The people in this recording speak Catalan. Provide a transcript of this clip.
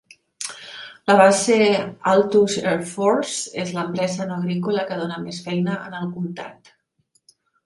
La base Altus Air Force és l'empresa no agrícola que dona més feina en el comtat.